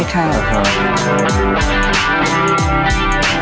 ใช่ครับ